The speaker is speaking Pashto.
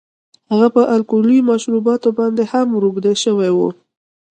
هغه په الکولي مشروباتو باندې هم روږدی شوی و